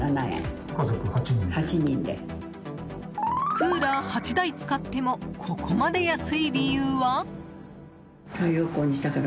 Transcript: クーラー８台使ってもここまで安い理由は？